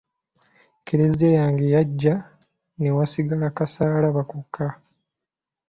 Klezia yange yaggya ne wasigala kasalaaba kokka.